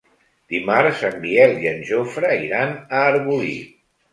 Dimarts en Biel i en Jofre iran a Arbolí.